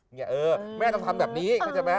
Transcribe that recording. แม่ต้องทำแบบนี้